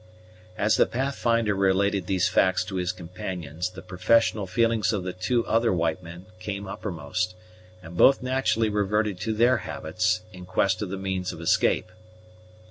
As the Pathfinder related these facts to his companions, the professional feelings of the two other white men came uppermost, and both naturally reverted to their habits, in quest of the means of escape.